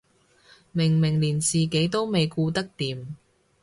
明明連自己都未顧得掂